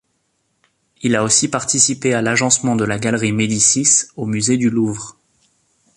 Il a aussi participé à l’agencement de la Galerie Médicis au musée du Louvre.